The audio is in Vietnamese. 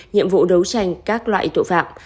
nhiệm vụ đấu tranh các loại tội phạm